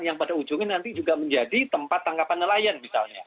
yang pada ujungnya nanti juga menjadi tempat tangkapan nelayan misalnya